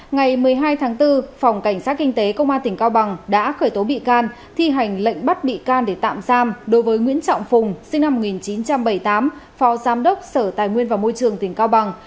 ngày một mươi hai tháng bốn phòng cảnh sát kinh tế công an tỉnh cao bằng đã khởi tố bị can thi hành lệnh bắt bị can để tạm giam đối với nguyễn trọng phùng sinh năm một nghìn chín trăm bảy mươi tám phó giám đốc sở tài nguyên và môi trường tỉnh cao bằng